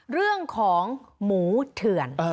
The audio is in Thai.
เรื่องของหมูเถื่อน